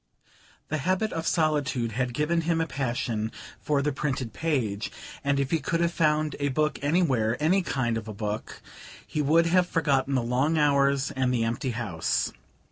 The habit of solitude had given him a passion for the printed page, and if he could have found a book anywhere any kind of a book he would have forgotten the long hours and the empty house.